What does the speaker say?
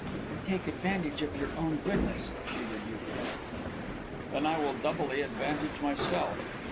"You take advantage of your own goodness," she rebuked him. "Then I will doubly advantage myself."